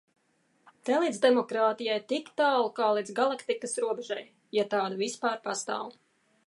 Te līdz demokrātijai tik tālu kā līdz galaktikas robežai, ja tāda vispār pastāv.